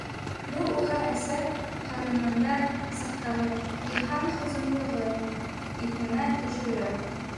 Был уға әсә ҡарынында саҡтағы «йыһан хозурлығы»н иҫенә төшөрә.